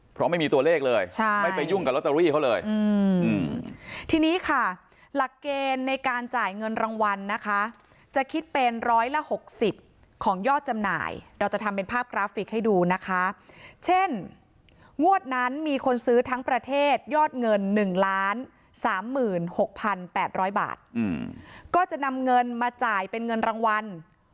เพราะไม่มีตัวเลขเลยใช่ไม่ไปยุ่งกับลอตเตอรี่เขาเลยทีนี้ค่ะหลักเกณฑ์ในการจ่ายเงินรางวัลนะคะจะคิดเป็นร้อยละ๖๐ของยอดจำหน่ายเราจะทำเป็นภาพกราฟิกให้ดูนะคะเช่นงวดนั้นมีคนซื้อทั้งประเทศยอดเงิน๑๓๖๘๐๐บาทก็จะนำเงินมาจ่ายเป็นเงินรางวัล